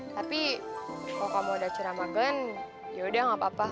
tapi kalau kamu ada acara sama glenn yaudah enggak apa apa